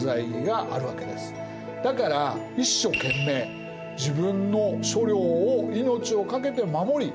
だから一所懸命自分の所領を命を懸けて守り